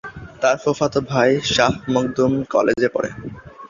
তার ফুফাতো ভাই শাহ মখদুম কলেজে পড়ে।